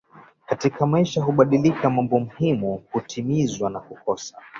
katika maisha hubadilika mambo muhimu hutimizwa na kukosa